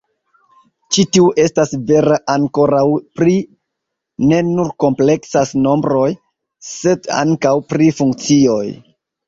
Ĉi tiu estas vera ankoraŭ pri ne nur kompleksaj nombroj, sed ankaŭ pri funkcioj.